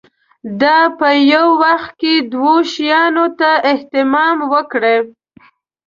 دا په یوه وخت کې دوو شیانو ته اهتمام وکړي.